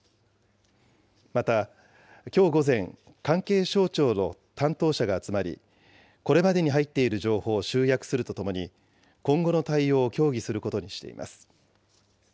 また、きょう午前、関係省庁の担当者が集まり、これまでに入っている情報を集約するとともに、今後の対応を協議することにしています。